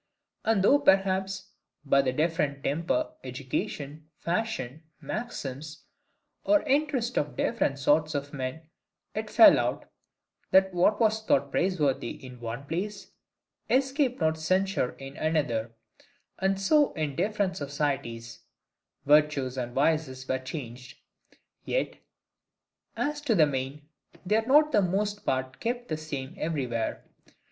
And though perhaps, by the different temper, education, fashion, maxims, or interest of different sorts of men, it fell out, that what was thought praiseworthy in one place, escaped not censure in another; and so in different societies, virtues and vices were changed; yet, as to the main, they for the most part kept the same everywhere.